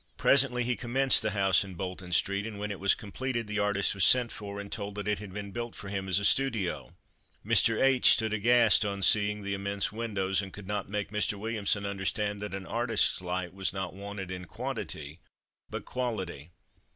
Presently he commenced the house in Bolton street, and when it was completed the artist was sent for, and told that it had been built for him as a studio. Mr. H stood aghast on seeing the immense windows, and could not make Mr. Williamson understand that an artist's light was not wanted in quantity but quality.